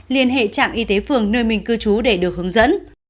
liên hệ trạm y tế phường nơi mình cư trú để được hướng dẫn